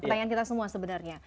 pertanyaan kita semua sebenarnya